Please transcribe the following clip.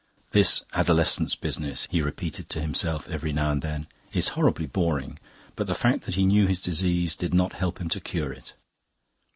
"This adolescence business," he repeated to himself every now and then, "is horribly boring." But the fact that he knew his disease did not help him to cure it.